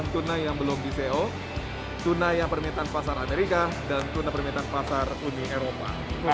tuna yang belum di seo tuna yang permintaan pasar amerika dan tuna yang permintaan pasar uni eropa